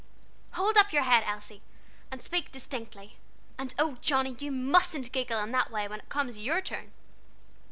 Hold up your head, Elsie, and speak distinctly; and oh, Johnnie, you mustn't giggle in that way when it comes your turn!"